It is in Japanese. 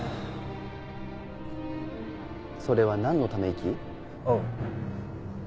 それはなんのため息？